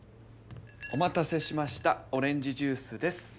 おまたせしましたオレンジジュースです。